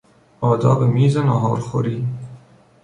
آداب میز نهارخوری